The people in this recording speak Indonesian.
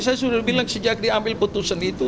saya sudah bilang sejak diambil putusan itu